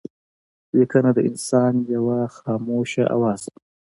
لیکنه د انسان یو خاموشه آواز دئ.